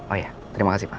oh ya terima kasih pak